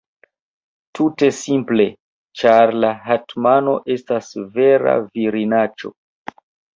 Tute simple, ĉar la hetmano estas vera virinaĉo!